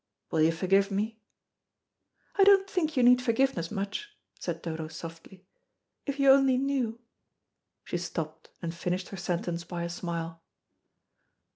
Will you forgive me?" "I don't think you need forgiveness much," said Dodo softly. "If you only knew " She stopped and finished her sentence by a smile.